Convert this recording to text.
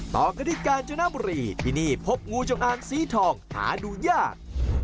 ต่อกระดิษฐานจงน้ำบุรีที่นี่พบงูจงอารมณ์สีทองหาดูยาก